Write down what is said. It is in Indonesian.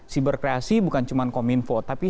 siberkreasi bukan cuman kominfo tapi